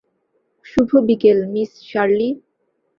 শুভ বিকেল, miss Shirley.